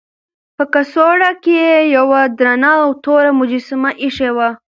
په کڅوړه کې یې یوه درنه او توره مجسمه ایښې وه.